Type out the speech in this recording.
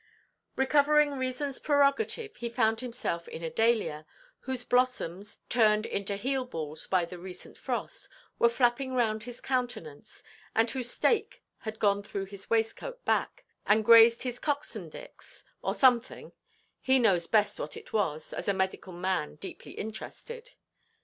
Recovering reasonʼs prerogative, he found himself in a dahlia, whose blossoms, turned into heel–balls by the recent frost, were flapping round his countenance, and whose stake had gone through his waistcoat back, and grazed his coxendix, or something; he knows best what it was, as a medical man deeply interested.